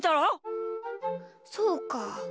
そうか。